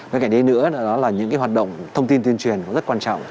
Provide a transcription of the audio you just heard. với cả đấy nữa đó là những cái hoạt động thông tin tuyên truyền rất quan trọng